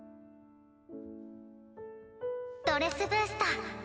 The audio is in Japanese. ドレスブースト。